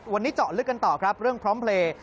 วันนี้เจาะลึกกันต่อครับเรื่องพร้อมเพลย์